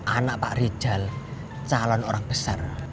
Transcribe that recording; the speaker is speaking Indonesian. anak pak rijal calon orang besar